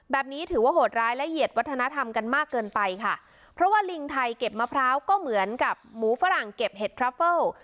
ถือว่าโหดร้ายและเหยียดวัฒนธรรมกันมากเกินไปค่ะเพราะว่าลิงไทยเก็บมะพร้าวก็เหมือนกับหมูฝรั่งเก็บเห็ดทราเฟิล